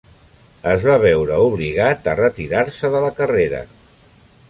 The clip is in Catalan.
Es va veure obligat a retirar-se de la carrera.